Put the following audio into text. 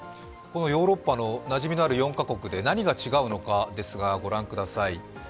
ヨーロッパのなじみのある４カ国で何が違うのか、御覧ください。